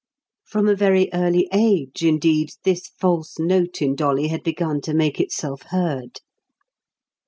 From a very early age, indeed, this false note in Dolly had begun to make itself heard.